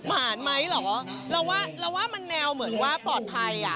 หารไหมเหรอเราว่ามันแนวเหมือนว่าปลอดภัยอ่ะ